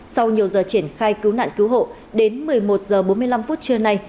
sau nhiều giờ triển khai cứu nạn cứu hộ đến một mươi một h bốn mươi năm phút trưa nay